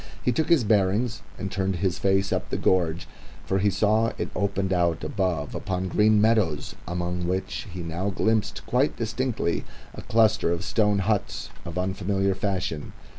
He took his bearings and turned his face up the gorge, for he saw it opened out above upon green meadows, among which he now glimpsed quite distinctly a cluster of stone huts of unfamiliar fashion.